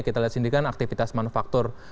kita lihat sendiri kan aktivitas manufaktur